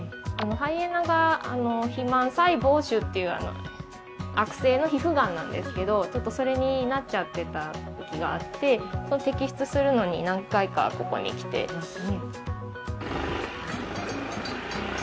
ハイエナが肥満細胞腫っていう悪性の皮膚がんなんですけどちょっとそれになっちゃってたときがあって摘出するのに何回かここに来てますね